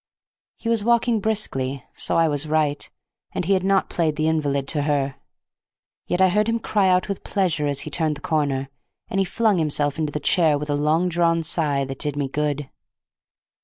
He was walking briskly, so I was right, and he had not played the invalid to her; yet I heard him cry out with pleasure as he turned the corner, and he flung himself into the chair with a long drawn sigh that did me good.